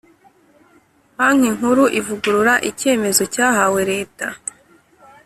Banki Nkuru ivugurura icyemezo cyahawe leta